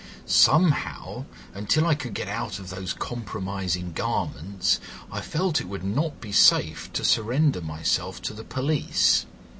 "Somehow, until I could get out of those compromising garments, I felt it would not be safe to surrender myself to the police.